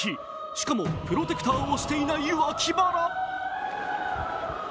しかもプロテクターをしていない脇腹。